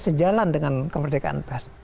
sejalan dengan kemerdekaan pers